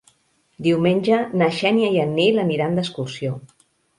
Diumenge na Xènia i en Nil aniran d'excursió.